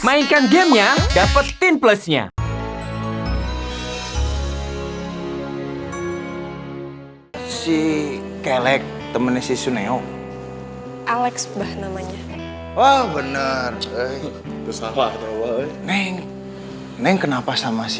mainkan gamenya dapetin plusnya